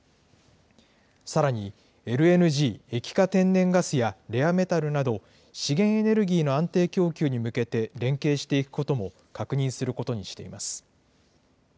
さらに、ＬＮＧ・液化天然ガスやレアメタルなど、資源エネルギーの安定供給に向けて連携していくことも確認することにしています。